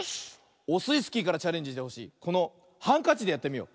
オスイスキーからチャレンジしてほしいこのハンカチでやってみよう。